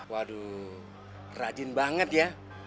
waduh rajin banget ya